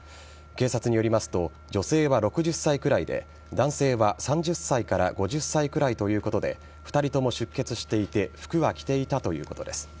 警察によりますと女性は６０歳くらいで男性は３０歳から５０歳くらいということで２人とも出血していて服は着ていたということです。